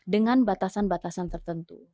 dengan batasan batasan tertentu